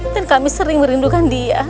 dan kami sering merindukan dia